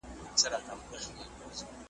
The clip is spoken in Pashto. کله دي مرګ وي اور د ګرمیو .